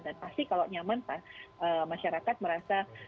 dan pasti kalau nyaman pak masyarakat merasa